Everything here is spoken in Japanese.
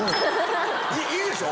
いいでしょ？